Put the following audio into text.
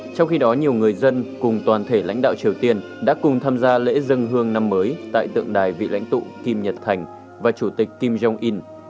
trong khi đó nhiều người dân cùng toàn thể lãnh đạo triều tiên đã cùng tham gia lễ dân hương năm mới tại tượng đài vị lãnh tụ kim nhật thành và chủ tịch kim jong un